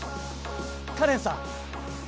カレンさん！